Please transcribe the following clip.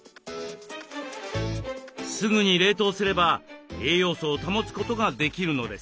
すぐに冷凍すれば栄養素を保つことができるのです。